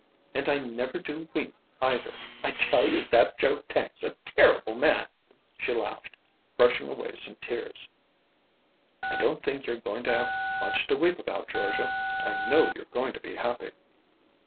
And I never do weep, either. I tell you that Joe Tank's a terrible man," she laughed, brushing away some tears. "I don't think you're going to have much to weep about, Georgia. I know you're going to be happy."